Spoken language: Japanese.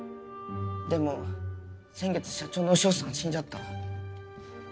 でも先月社長の潮さん死んじゃった。